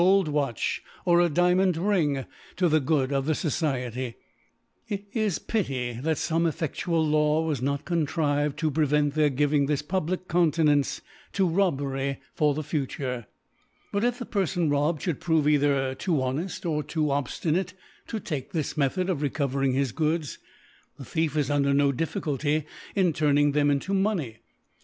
old Watch or a Diamond Ring to the GoM df the So ciety, it is pity fome cffeftual Law was not contrived to prevent their giving this pub Kek Countenance to Robbery for the future^ But if the Perfon robbed fhould prove feithcr too honcft, or too obftinate, to take this Method of recovering his Goods, the Thie'^ is under no Difficulty in turning them into Money.